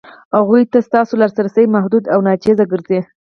هغو ته ستاسو لاسرسی محدود او ناچیز ګرځي.